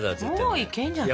もういけんじゃない？